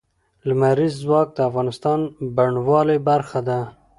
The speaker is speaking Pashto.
لمریز ځواک د افغانستان د بڼوالۍ برخه ده.